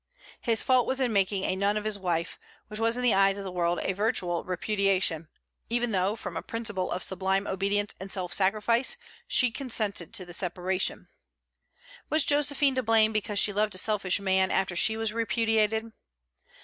His fault was in making a nun of his wife, which was in the eyes of the world a virtual repudiation; even though, from a principle of sublime obedience and self sacrifice, she consented to the separation. Was Josephine to blame because she loved a selfish man after she was repudiated?